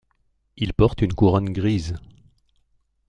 Il porte une couronne grise.